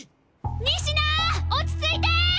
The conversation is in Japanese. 仁科落ち着いて！